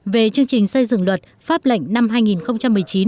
về chương trình xây dựng luật pháp lệnh năm hai nghìn một mươi chín